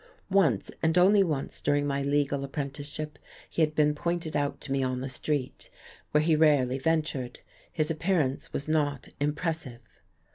Once, and only once during my legal apprenticeship, he had been pointed out to me on the street, where he rarely ventured. His appearance was not impressive....